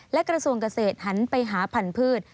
และกระสวงส์เกษตรหันไปหาผันพืช